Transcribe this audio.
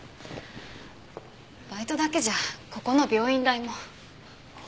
バイトだけじゃここの病院代も。